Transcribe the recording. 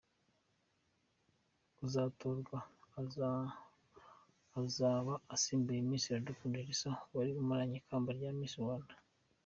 Uzatorwa azaba asimbuye Miss Iradukunda Elsa wari umaranye umwaka ikamba rya Miss Rwanda